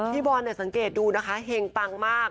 พี่บอลเนี่ยสังเกตดูนะคะเฮงปังมาก